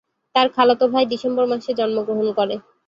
তার খালাতো ভাই ডিসেম্বর মাসে জন্মগ্রহণ করে।